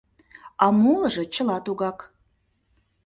А молыжо чыла тугак.